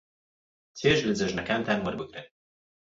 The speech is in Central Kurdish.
چێژ لە جەژنەکانتان وەربگرن.